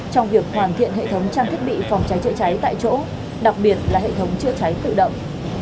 trong việc hoàn thiện hệ thống trang thiết bị phòng cháy chữa cháy tại chỗ đặc biệt là hệ thống chữa cháy tự động